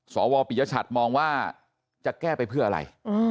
สวปิยชัดมองว่าจะแก้ไปเพื่ออะไร